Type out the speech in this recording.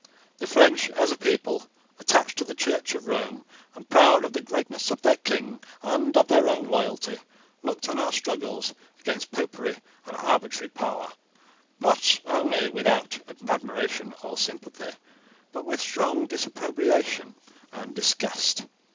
The French, as a people, attached to the Church of Rome, and proud of the greatness of their King and of their own loyalty, looked on our struggles against Popery and arbitrary power, not only without admiration or sympathy, but with strong disapprobation and disgust.